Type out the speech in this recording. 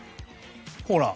ほら。